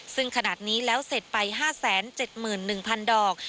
ซึ่งขนาดนี้แล้วเสร็จไป๕๗๑๐๐๐ดอก